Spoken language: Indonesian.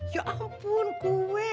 ya ampun kue